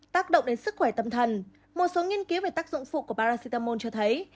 tác động đến sức khỏe tâm thần một số nghiên cứu về tác dụng phụ của paracetamol cho thấy